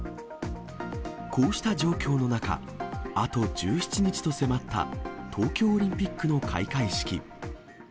こうした状況の中、あと１７日と迫った東京オリンピックの開会式。